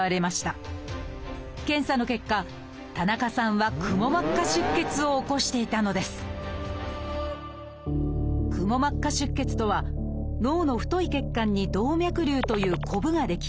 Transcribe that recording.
検査の結果田中さんは「くも膜下出血」を起こしていたのです「くも膜下出血」とは脳の太い血管に「動脈瘤」というこぶが出来